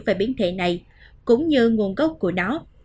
và biến thể này cũng như nguồn gốc của nó